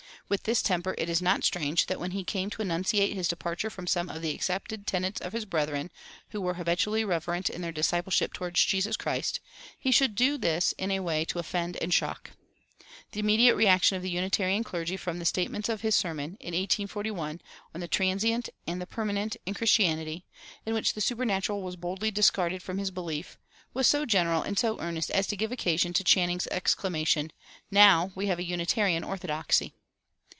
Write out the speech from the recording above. With this temper it is not strange that when he came to enunciate his departure from some of the accepted tenets of his brethren, who were habitually reverent in their discipleship toward Jesus Christ, he should do this in a way to offend and shock. The immediate reaction of the Unitarian clergy from the statements of his sermon, in 1841, on "The Transient and the Permanent in Christianity," in which the supernatural was boldly discarded from his belief, was so general and so earnest as to give occasion to Channing's exclamation, "Now we have a Unitarian orthodoxy!"